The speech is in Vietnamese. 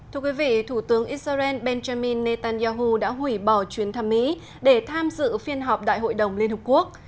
thưa quý vị thủ tướng israel benjamin netanyahu đã hủy bỏ chuyến thăm mỹ để tham dự phiên họp đại hội đồng liên hợp quốc